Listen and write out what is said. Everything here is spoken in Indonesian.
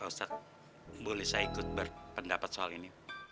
ustadz boleh saya ikut berpendapat soal ini